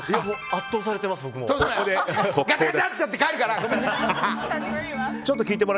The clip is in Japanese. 圧倒されています、僕も。